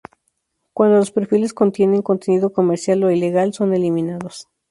Cuando los perfiles contienen contenido comercial o ilegal, son eliminados.